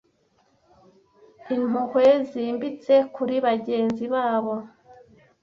impuhwe zimbitse kuri bagenzi babo